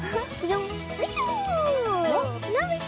よいしょ。